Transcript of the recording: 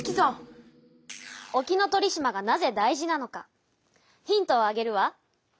沖ノ鳥島がなぜ大事なのかヒントをあげるわ。